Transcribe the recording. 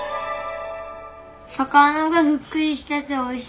魚がふっくりしてておいしいです。